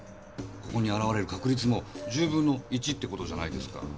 ここに現れる確率も１０分の１ってことじゃないですか。